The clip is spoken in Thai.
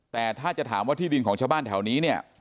แต่ถ้าจะถามว่าที่ดินของชาวบ้านแถวนี้เนี่ย